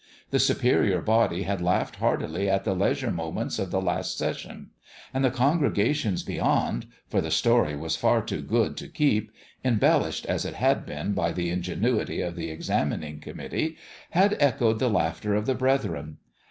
The Superior Body had laughed heartily in the leisure moments of the last session ; and the congrega tions beyond for the story was far too good to keep, embellished, as it had been, by the inge nuity of the examining committee had echoed the laughter of the brethren.